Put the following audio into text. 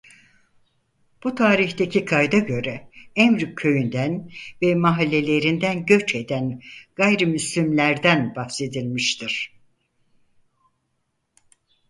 Bu tarihteki kayda göre Emrük köyünden ve mahallelerinden göç eden Gayrimüslimlerden bahsedilmiştir.